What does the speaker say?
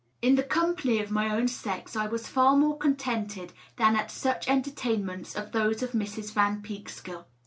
In the company of my own sex I was far more contented than at such entertainments as those of Mrs. Van Peekskill.